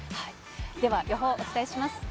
では、予報、お伝えします。